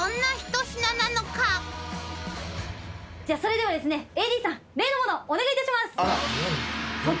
じゃあそれではですね。